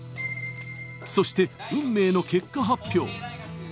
そして運命の結果発表。